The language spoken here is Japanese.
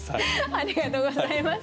ありがとうございます。